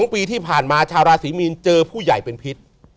๒ปีที่ผ่านมาชาวราศีมีนเจอผู้ใหญ่เป็นพิษ